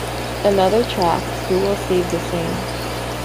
Another track, Who Will Save the Sane?